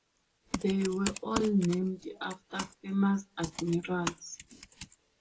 They were all named after famous admirals.